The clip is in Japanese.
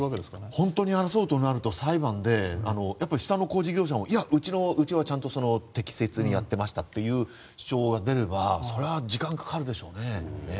本当に争うとなると裁判で、下の工事業者もいや、うちはちゃんと適切にやっていましたという主張が出ればそれは時間がかかるでしょうね。